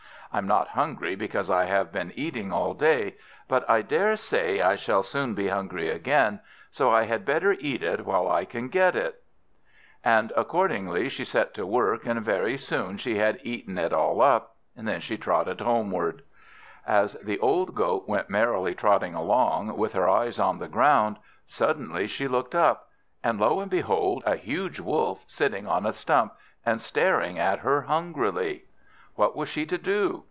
I'm not hungry, because I have been eating all day; but I daresay I shall soon be hungry again, so I had better eat it while I can get it." And accordingly she set to work, and very soon she had eaten it all up. Then she trotted off homeward. As the old Goat went merrily trotting along, with her eyes on the ground, suddenly she looked up and lo and behold! a huge Wolf sitting on a stump, and staring at her hungrily! What was she to do?